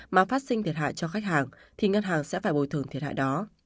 mà phát sinh thiệt hại cho khách hàng thì ngân hàng sẽ phải bồi thường thiệt hại đó